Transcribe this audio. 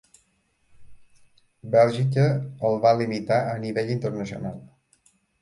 Bèlgica el va limitar a nivell internacional.